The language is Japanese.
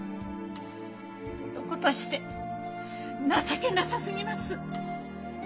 男として情けなさすぎます！